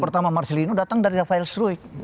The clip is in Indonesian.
pertama marcelino datang dari rafael struik